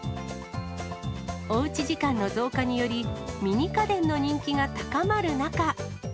おうち時間の増加により、ミニ家電の人気が高まる中。